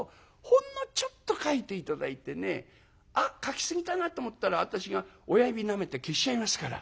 ほんのちょっと描いて頂いてねあっ描きすぎたなと思ったら私が親指なめて消しちゃいますから」。